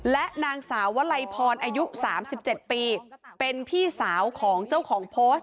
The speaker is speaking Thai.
และนางสาววลัยพรอายุ๓๗ปีเป็นพี่สาวของเจ้าของโพสต์